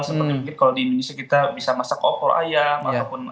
seperti mungkin kalau di indonesia kita bisa masak opor ayam ataupun